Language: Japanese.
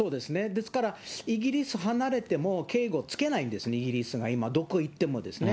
ですから、イギリス離れても、警護つけないんです、イギリスは今、どこ行ってもですね。